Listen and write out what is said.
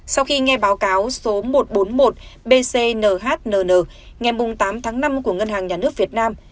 sau khi nghe báo cáo số một trăm bốn mươi một bnhn ngày tám tháng năm của ngân hàng nhà nước việt nam